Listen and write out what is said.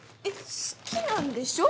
好きなんでしょ？